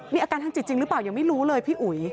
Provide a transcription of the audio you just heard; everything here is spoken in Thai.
มีอาการทางจิตจริงหรือเปล่ายังไม่รู้เลยพี่อุ๋ย